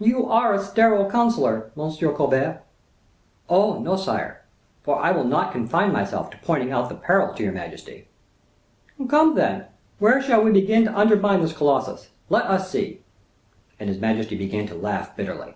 "You are a sterile counselor, M. Colbert." "Oh, no, sire; for I will not confine myself to pointing out the peril to your majesty." "Come, then, where shall we begin to undermine this Colossus; let us see;" and his majesty began to laugh bitterly.